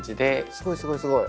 すごいすごいすごい。